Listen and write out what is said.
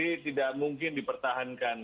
ini tidak mungkin dipertahankan